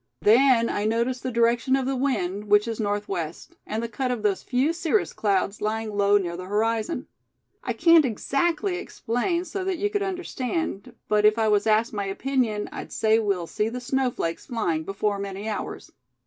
Then I notice the direction of the wind, which is northwest; and the cut of those few cirrus clouds lying low near the horizon. I can't exactly explain so that you could understand, but if I was asked my opinion, I'd say we'll see the snow flakes flying before many hours."